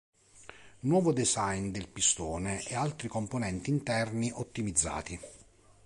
Nuovo design del pistone e altri componenti interni ottimizzati.